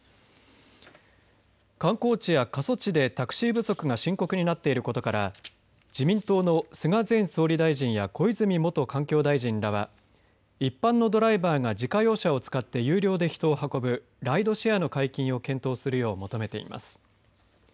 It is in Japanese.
観光地や過疎地でタクシー不足が深刻になっていることから自民党の菅前総理大臣や小泉元環境大臣らは一般のドライバーが自家用車を使って有料で人を運ぶライドシェアの解禁を検討するよう求めています。